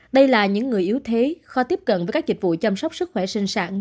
đây là những người yếu thế khó tiếp cận với các dịch vụ chăm sóc sức khỏe sinh sản